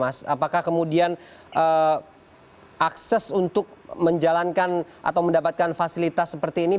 apakah kemudian akses untuk menjalankan atau mendapatkan fasilitas seperti ini